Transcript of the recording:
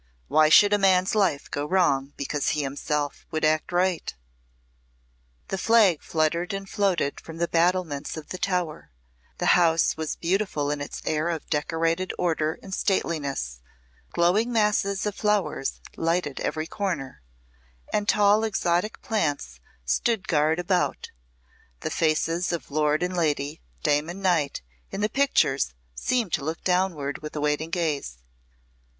Why should a man's life go wrong because he himself would act right?" The flag fluttered and floated from the battlements of the tower, the house was beautiful in its air of decorated order and stateliness, glowing masses of flowers lighted every corner, and tall exotic plants stood guard about; the faces of lord and lady, dame and knight, in the pictures seemed to look downward with a waiting gaze.